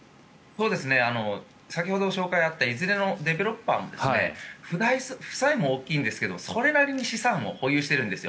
先ほど紹介にあったいずれのディベロッパーも負債も大きいんですがそれなりに資産も保有してるんです。